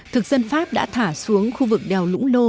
thực dân pháp đã thả xuống khu vực đèo lũng lô